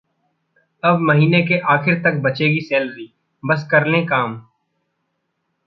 अब महीने के आखिर तक बचेगी सैलरी, बस कर लें काम!